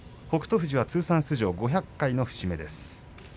富士は通算出場５００回の節目です。